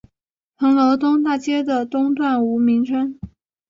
鼓楼东大街的东段无名称。